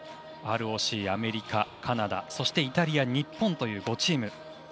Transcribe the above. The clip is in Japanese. ＲＯＣとアメリカ、カナダそしてイタリア、日本という５チーム。